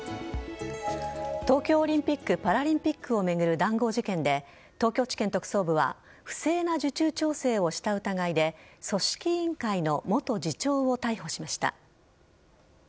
東京オリンピック・パラリンピックを巡る談合事件で東京地検特捜部は不正な受注調整をした疑いで組織委員会の元次長を逮捕しました。